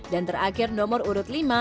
terakhir nomor urut lima